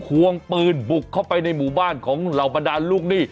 ควงปืนบุกเข้าไปในหมู่บ้านของเหล่าบรรดาลูกหนี้